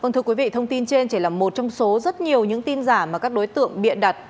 vâng thưa quý vị thông tin trên chỉ là một trong số rất nhiều những tin giả mà các đối tượng bịa đặt